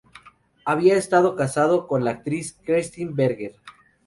Había estado casado con la actriz Kerstin Berger.